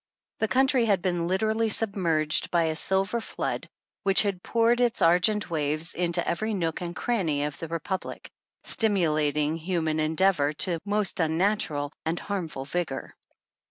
The country had been literally submerged by a silver flood which had poured its argent waves into every nook and cranny of the Republic, stimulating human endeavor to most unnatural and harmful vigor.